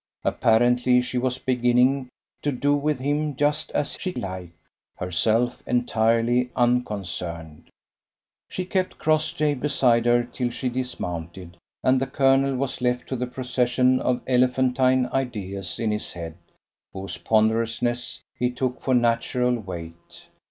Apparently she was beginning to do with him just as she liked, herself entirely unconcerned. She kept Crossjay beside her till she dismounted, and the colonel was left to the procession of elephantine ideas in his head, whose ponderousness he took for natural weight.